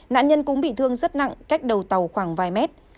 nạn nhân cũng bị thương rất nặng cách đầu tàu khoảng vài mét